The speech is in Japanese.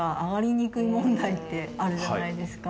ってあるじゃないですか